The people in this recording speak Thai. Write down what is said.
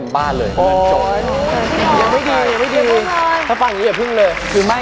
ยังไม่ดีถ้าฟังอย่าพึ่งเลย